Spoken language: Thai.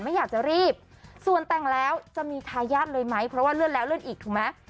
ไม่อยากจะรีบส่วนแต่งแล้วจะมีทายาทเลยไหมเพราะว่าเลื่อนแล้วเลื่อนอีกถูกไหม